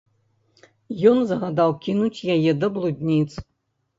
Ён загадаў кінуць яе да блудніц.